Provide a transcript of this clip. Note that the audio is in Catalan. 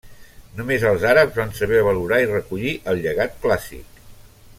Només els àrabs van saber valorar i recollir el llegat clàssic.